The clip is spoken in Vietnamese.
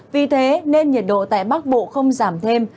vì thế nên nhiệt độ tại bắc bộ không giảm thêm